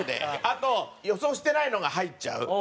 あと予想してないのが入っちゃう。